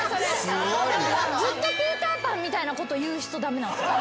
ずっとピーター・パンみたいなこと言う人駄目なんすよ。